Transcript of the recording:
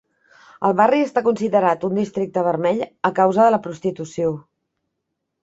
El barri està considerat un districte vermell a causa de la prostitució.